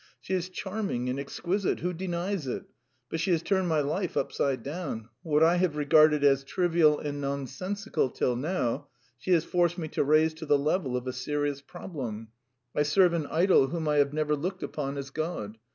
She is charming and exquisite who denies it? But she has turned my life upside down; what I have regarded as trivial and nonsensical till now she has forced me to raise to the level of a serious problem; I serve an idol whom I have never looked upon as God.